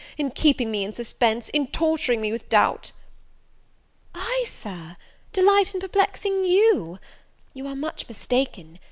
in keeping me in suspense? in torturing me with doubt?" "I, Sir, delight in perplexing you! you are much mistaken.